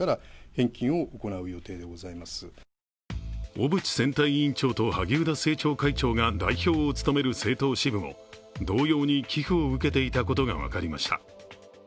小渕選対委員長と萩生田政調会長が代表を務める政党支部も同様に寄付を受けていたことが分かりました。